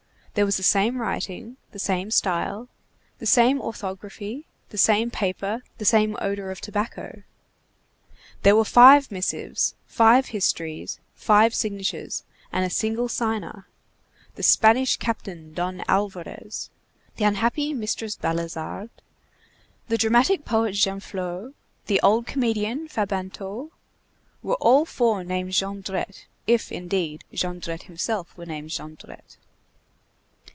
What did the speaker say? There was the same writing, the same style, the same orthography, the same paper, the same odor of tobacco. There were five missives, five histories, five signatures, and a single signer. The Spanish Captain Don Alvarès, the unhappy Mistress Balizard, the dramatic poet Genflot, the old comedian Fabantou, were all four named Jondrette, if, indeed, Jondrette himself were named Jondrette.